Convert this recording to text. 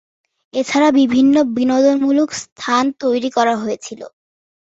এছাড়া বিভিন্ন বিনোদনমূলক স্থান তৈরি করা হয়েছিলো।